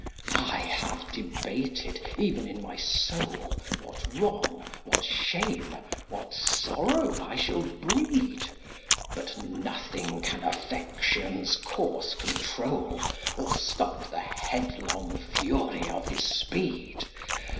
'I have debated, even in my soul, What wrong, what shame, what sorrow I shall breed; But nothing can affection's course control, Or stop the headlong fury of his speed.